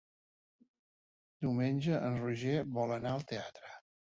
Diumenge en Roger vol anar al teatre.